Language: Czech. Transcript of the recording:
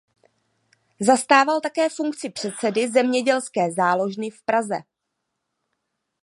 Zastával také funkci předsedy "Zemědělské záložny" v Praze.